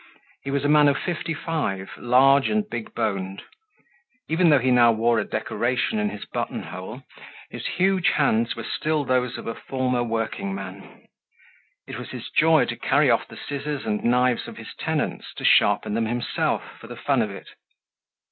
He was a man of fifty five, large and big boned. Even though he now wore a decoration in his button hole, his huge hands were still those of a former workingman. It was his joy to carry off the scissors and knives of his tenants, to sharpen them himself, for the fun of it.